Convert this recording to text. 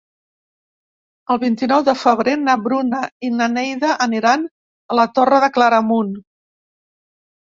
El vint-i-nou de febrer na Bruna i na Neida aniran a la Torre de Claramunt.